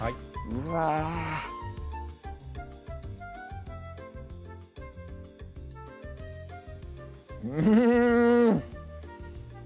うわうん！